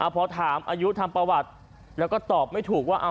พอถามอายุทำประวัติแล้วก็ตอบไม่ถูกว่า